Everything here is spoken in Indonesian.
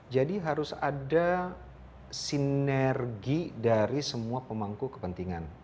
jadi harus ada sinergi dari semua pemangku kepentingan